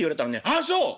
『ああそう。え？